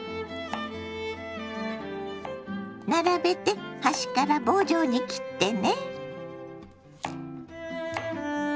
並べて端から棒状に切ってね。